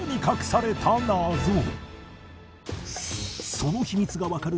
その秘密がわかる